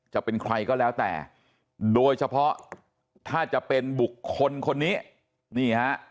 จะเป็นใครก็แล้วแต่โดยเฉพาะถ้าจะเป็นบุคคลคนนี้นี่ฮะ